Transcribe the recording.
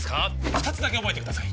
二つだけ覚えてください